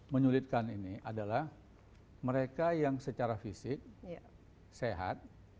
menyulitkan ini adalah mereka yang secara fisik sehat